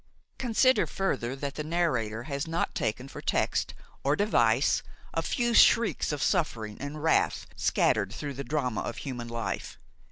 Consider further that the narrator has not taken for text or devise a few shrieks of suffering and wrath scattered through the drama of human life.